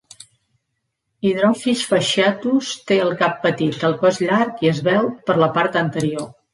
Hydrophis fasciatus té el cap petit, el cos llarg i esvelt per la part anterior.